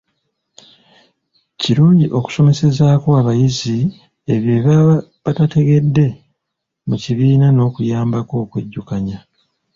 Kirungi okusomesezaako abayizi ebyo bye baaba batategedde mu kibiina n'okuyambako okwejjukanya.